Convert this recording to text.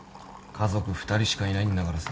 家族２人しかいないんだからさ